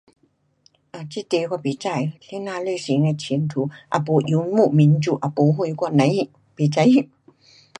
um 这题我不知，怎样类型的前途，也没游牧民族，也没什，我甭晓，不知晓。